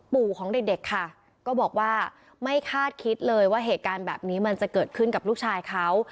ปู่ของเด็กค่ะก็บอกว่าไม่คาดคิดเลยว่าเหตุการณ์แบบนี้มันจะเกิดขึ้นกับลูกชายเขา